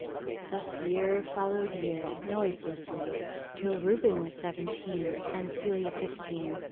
Thus year followed year noiselessly, till Reuben was seventeen and Celia fifteen.